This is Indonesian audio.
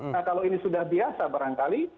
nah kalau ini sudah biasa barangkali